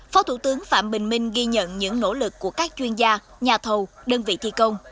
phó thủ tướng phạm bình minh ghi nhận những nỗ lực của các chuyên gia nhà thầu đơn vị thi công